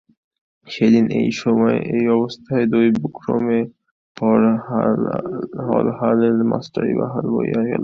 সেদিন এই সময়ে এই অবস্থায় দৈবক্রমে হরলালের মাস্টারি বাহাল হইয়া গেল।